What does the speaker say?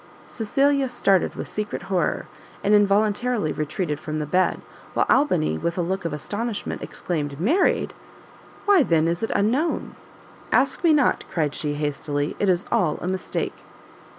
Cecilia started with secret horror, and involuntarily retreated from the bed; while Albany with a look of astonishment exclaimed, "Married! why, then, is it unknown?" "Ask me not!" cried she, hastily; "it is all a mistake."